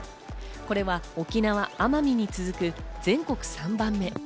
これは沖縄、奄美に続く全国３番目。